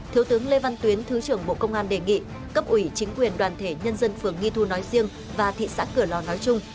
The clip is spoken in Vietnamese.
thiếu tướng lê văn tuyến thứ trưởng bộ công an đề nghị cấp ủy chính quyền đoàn thể nhân dân phường nghi thu nói riêng và thị xã cửa lò nói chung